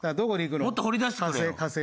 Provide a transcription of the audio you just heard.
もっと掘り出してくれよ。